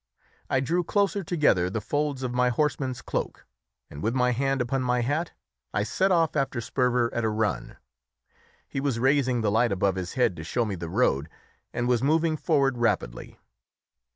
I drew closer together the folds of my horseman's cloak, and with my hand upon my hat, I set off after Sperver at a run; he was raising the light above his head to show me the road, and was moving forward rapidly.